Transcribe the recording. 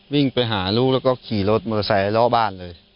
วิ่งไปหารู้แล้วก็ขี่รถมอเซอร์สายหล่อบ้านเลย